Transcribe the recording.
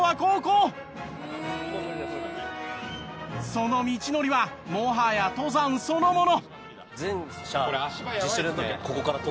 その道のりはもはや登山そのもの。